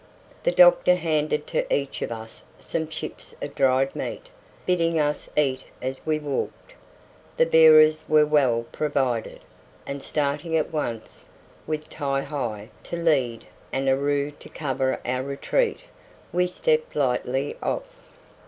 The doctor handed to each of us some chips of dried meat, bidding us eat as we walked. The bearers were well provided, and starting at once, with Ti hi to lead and Aroo to cover our retreat, we stepped lightly off.